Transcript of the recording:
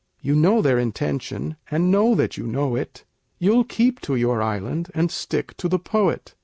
You know their intention, and know that you know it: You'll keep to your island, and stick to the poet.